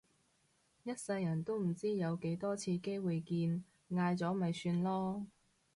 一世人都唔知有幾多次機會見嗌咗咪算囉